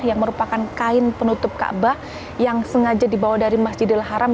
yang merupakan kain penutup ka'bah yang sengaja dibawa dari masjid al haram